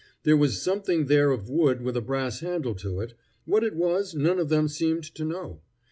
There was something there of wood with a brass handle to it. What it was none of them seemed to know.